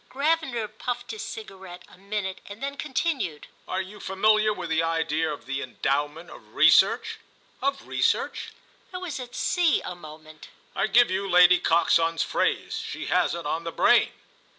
Gravener puffed his cigarette a minute and then continued: "Are you familiar with the idea of the Endowment of Research?" "Of Research?" I was at sea a moment. "I give you Lady Coxon's phrase. She has it on the brain."